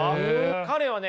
彼はね